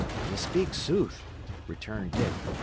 "Ye speak sooth," returned Dick.